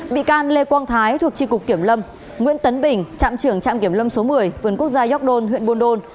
bị can lê quang thái thuộc tri cục kiểm lâm nguyễn tấn bình trạm trưởng trạm kiểm lâm số một mươi vườn quốc gia york don huyện buôn đôn